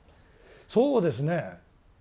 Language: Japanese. そうですね。